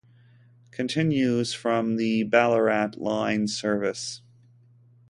Continues from the Ballarat line service.